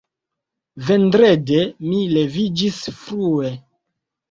Vendrede mi leviĝis frue.